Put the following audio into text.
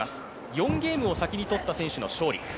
４ゲームを先に取った選手の勝利。